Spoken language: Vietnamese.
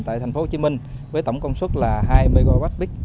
tại thành phố hồ chí minh với tổng công suất là hai mwb